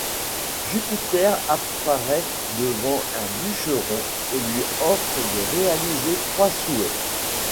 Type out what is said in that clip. Jupiter apparaît devant un bûcheron, et lui offre de réaliser trois souhaits.